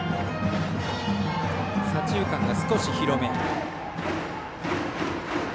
左中間が少し広め。